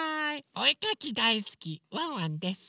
おえかきだいすきワンワンです。